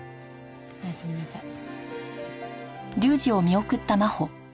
おやすみなさい。